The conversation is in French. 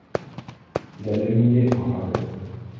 Il avait mouillé en rade.